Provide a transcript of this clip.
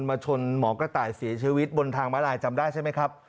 มาชนหมอกระต่ายเสียชีวิตบนทางมาลายจำได้ใช่ไหมครับ